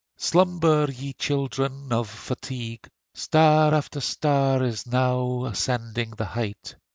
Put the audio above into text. Slumber, ye children of fatigue; Star after star is now ascending the height.